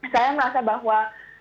saya merasa bahwa